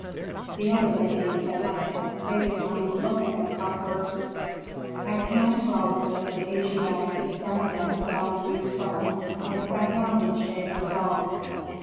The other Libyans said nothing; they did not even look at their conquerors. At command of Rameses the Asiatics disarmed them without the least trouble, and sat down in the shade themselves.